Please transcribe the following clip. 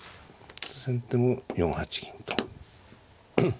先手も４八銀と。